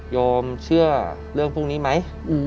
ยอมเชื่อเรื่องพรุ่งนี้ไหม